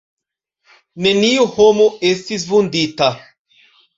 Neniu homo estis vundita.